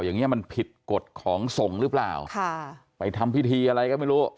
อย่างนี้มันผิดกฎของสงฆ์หรือเปล่าค่ะไปทำพิธีอะไรก็ไม่รู้